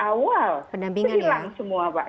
awal penampingan ya hilang semua pak